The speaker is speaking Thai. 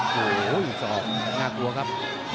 โหอีสอบน่ากลัวครับ